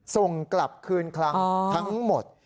ส่งกลับคืนคลังทั้งหมด